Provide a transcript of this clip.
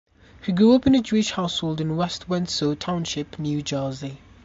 He grew up in a Jewish household in West Windsor Township, New Jersey.